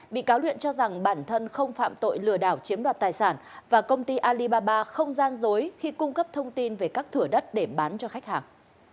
bị cáo luyện cho rằng bản thân không phạm tội lừa đảo chiếm đoạt tài sản và công ty alibaba không gian dối khi cung cấp thông tin về các thửa đất để bán cho khách hàng